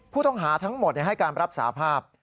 ผู้ต้องหาทั้งหมดให้การรับสาภาพ